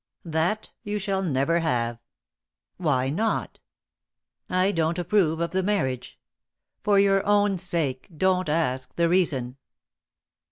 "That you shall never have." "Why not?" "I don't approve of the marriage. For your own sake, don't ask the reason."